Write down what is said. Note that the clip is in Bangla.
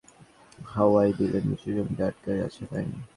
জাল বসানোর ফলে নিষ্কাশন বিঘ্নিত হওয়ায় বিলের নিচু জমিতে আটকে আছে পানি।